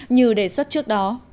như đề xuất trước